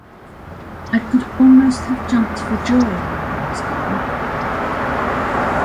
I could almost have jumped for joy when he was gone.